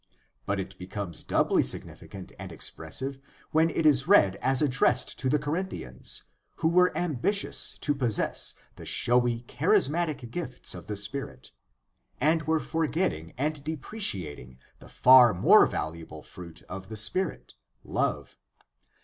But it becomes doubly significant and expressive when it is read as addressed to the Corinthians, who were ambitious to possess the showy, charismatic gifts of the Spirit, and were forgetting and depreciating the far more valuable fruit of the Spirit, love.